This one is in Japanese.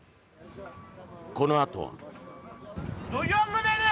このあとは。